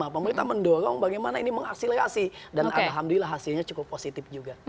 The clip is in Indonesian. pemerintah mendorong bagaimana ini mengakselerasi dan alhamdulillah hasilnya cukup positif juga